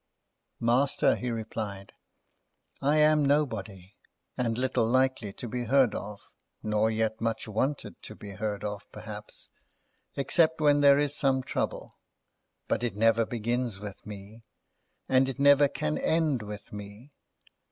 "Master," he replied, "I am Nobody, and little likely to be heard of (nor yet much wanted to be heard of, perhaps), except when there is some trouble. But it never begins with me, and it never can end with me.